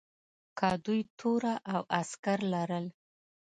که دوی توره او عسکر لرل.